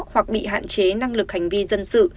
hoặc bị hạn chế năng lực hành vi dân sự